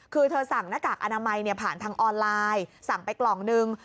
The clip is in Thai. คือเธอสั่งหน้ากากอนามัยผ่านทางออนไลน์สั่งไปกล่องนึง